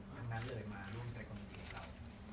บางท่านเลยมาร่วมใส่คนดีของเรา